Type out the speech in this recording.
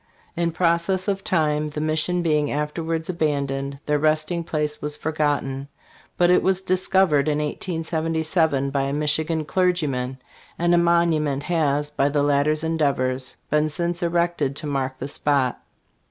In process of time, the mission being afterwards abandoned, their resting place was forgotten ; but it was discovered in 1877 by a Michi gan clergyman, and a monument has, by the latter's endeavors, been since erected to mark the spot.